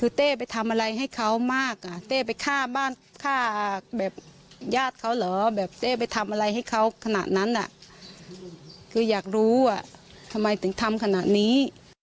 รู้ว่าทำไมถึงทำขนาดนี้